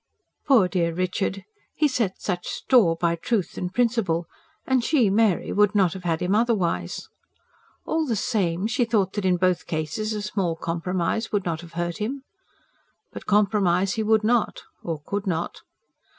Poor dear Richard! He set such store by truth and principle and she, Mary, would not have had him otherwise. All the same, she thought that in both cases a small compromise would not have hurt him. But compromise he would not ... or could not.